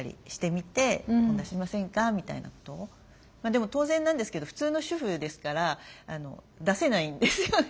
でも当然なんですけど普通の主婦ですから出せないんですよね。